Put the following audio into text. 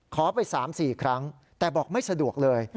ขอไป๓๔ครั้งแต่บอกไม่สะดวกเลย